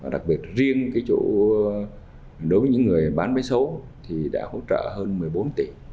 đặc biệt riêng chỗ đối với những người bán máy xấu đã hỗ trợ hơn một mươi bốn tỷ